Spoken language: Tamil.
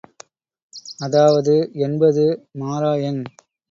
அதாவது என்பது மாறா எண்.